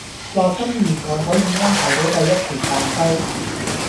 話今年內可以安排到第一期大修